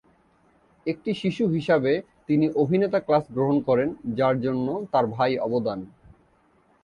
একটি শিশু হিসাবে, তিনি অভিনেতা ক্লাস গ্রহণ করেন, যার জন্য তার ভাই অবদান।